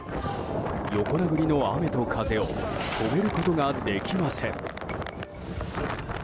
横殴りの雨と風を止めることができません。